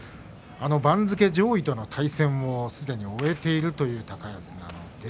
番付上位との対戦をすでに終えている高安です。